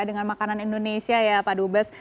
dengan makanan indonesia ya pak dubes